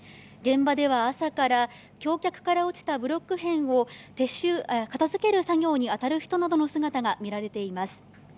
現場では朝から橋脚から落ちたブロック片を片づける作業に当たる人などの姿が見られています。